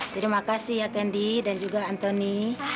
terima kasih ya kendi dan juga antoni